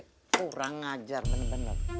kurang ngajar benar benar